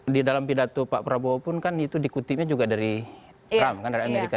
di dalam pidato pak prabowo pun kan itu dikutipnya juga dari trump kan dari amerika